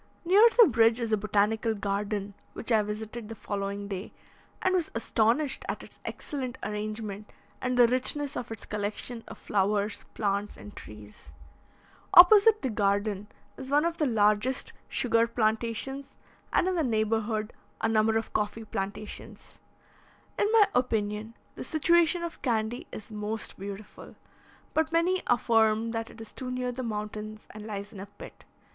Near the bridge is a botanical garden which I visited the following day, and was astonished at its excellent arrangement, and the richness of its collection of flowers, plants, and trees. Opposite the garden is one of the largest sugar plantations, and, in the neighbourhood, a number of coffee plantations. In my opinion, the situation of Candy is most beautiful, but many affirm that it is too near the mountains, and lies in a pit.